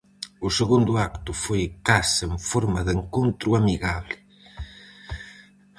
O segundo acto foi case en forma de encontro amigable.